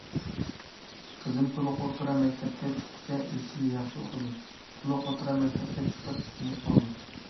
قىزىم تولۇق ئوتتۇرا مەكتەپكە چىققۇچە ئىزچىل ياخشى ئوقۇدى، تولۇق ئوتتۇرا مەكتەپكە چىقىپ چېكىنىپ قالدى.